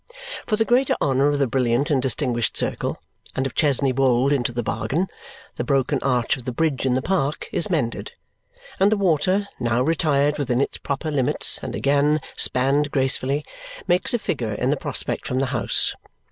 For the greater honour of the brilliant and distinguished circle, and of Chesney Wold into the bargain, the broken arch of the bridge in the park is mended; and the water, now retired within its proper limits and again spanned gracefully, makes a figure in the prospect from the house.